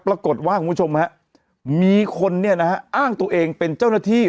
คุณผู้ชมฮะมีคนเนี่ยนะฮะอ้างตัวเองเป็นเจ้าหน้าที่